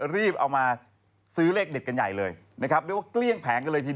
สีแดงแล้วนะครับได้มาเป็นเลขนะครับ